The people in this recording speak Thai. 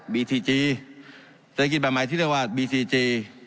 ทีจีเศรษฐกิจแบบใหม่ที่เรียกว่าบีซีจี